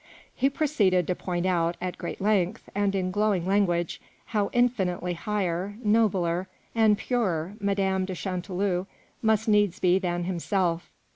He proceeded to point out, at great length, and in glowing language, how infinitely higher, nobler, and purer Madame de Chanteloup must needs be than himself.